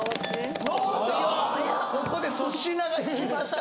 おっとここで粗品がいきました・